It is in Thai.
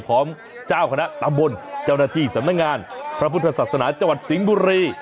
พร้อมเจ้าคณะตำบลเจ้าหน้าที่สำนักงานพระพุทธศาสนาจังหวัดสิงห์บุรี